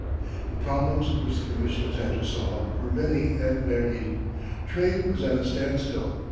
The problems which the Commissioners had to solve were many and varied. Trade was at a standstill.